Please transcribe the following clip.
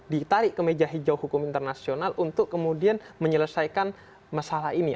ditarik ke meja hijau hukum internasional untuk kemudian menyelesaikan masalah ini